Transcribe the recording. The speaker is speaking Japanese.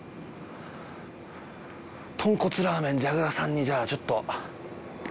豚骨ラーメンじゃぐらさんにじゃあちょっと。